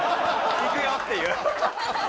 行くよっていう。